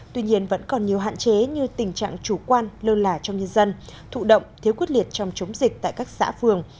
tuy nhiên vẫn còn nhiều hạn chế như tình trạng chủ quan lơ lả trong nhân dân thụ động thiếu quyết liệt trong chống dịch tại các xã phường